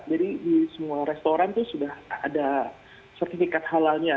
jadi di semua restoran itu sudah ada sertifikat halalnya